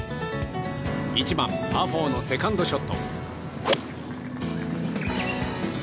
１番、パー４のセカンドショット。